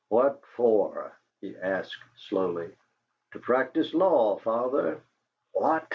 "What for?" he asked, slowly. "To practise law, father." "What!"